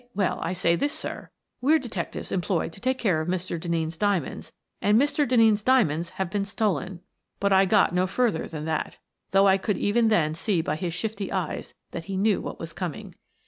Well, I say this, sir: We're detectives employed to take care of Mr. Denneen's diamonds, and Mr. Denneen's diamonds have been stolen —" But I got no further than that — though I could even then see by his shifty eyes that he knew what was coming.